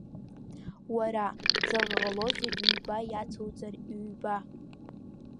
Уара, заҟа ҟалозеи ҩба иацуҵар ҩба?!